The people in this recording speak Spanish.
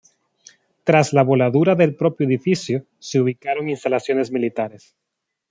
Tras la voladura del propio edificio, se ubicaron instalaciones militares.